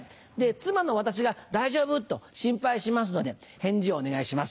妻の私が「大丈夫？」と心配しますので返事をお願いします